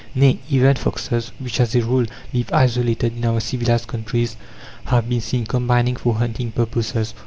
Nay, even foxes, which, as a rule, live isolated in our civilized countries, have been seen combining for hunting purposes.